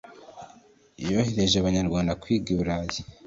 yohereje abanyarwanda kwiga i burayi